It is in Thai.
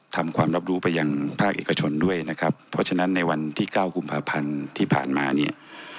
ทำความรับรู้ไปยังภาคเอกชนด้วยนะครับเพราะฉะนั้นในวันที่เก้ากุมภาพันธ์ที่ผ่านมาเนี่ย